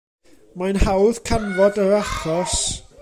Mae'n hawdd canfod yr achos.